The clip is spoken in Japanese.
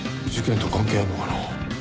事件と関係あるのかな？